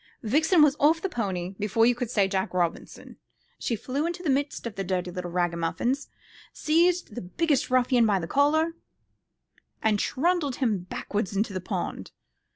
"Vixen was off the pony before you could say 'Jack Robinson.' She flew into the midst of the dirty little ragamuffins, seized the biggest ruffian by the collar, and trundled him backwards into the pond.